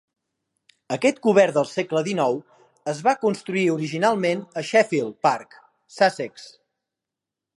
Aquest cobert del segle XIX es va construir originalment a Sheffield Park (Sussex).